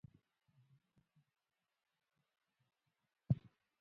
ازادي راډیو د سیاست ستر اهميت تشریح کړی.